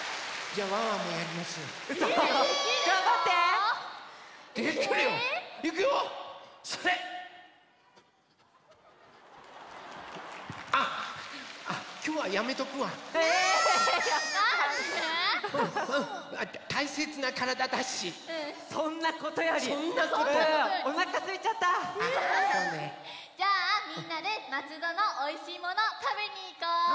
じゃあみんなでまつどのおいしいものたべにいこう！